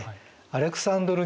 アレクサンドル